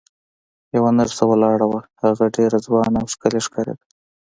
یوه نرسه ولاړه وه، هغه ډېره ځوانه او ښکلې ښکارېده.